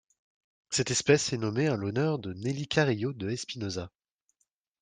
Cette espèce est nommée en l'honneur de Nelly Carillo de Espinoza.